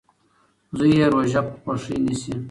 زوی یې روژه په خوښۍ نیسي.